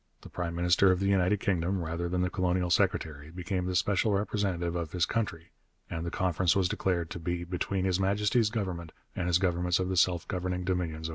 The prime minister of the United Kingdom, rather than the colonial secretary, became the special representative of his country, and the Conference was declared to be 'between His Majesty's Government and His Governments of the self governing Dominions overseas.'